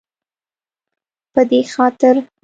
په دې خاطر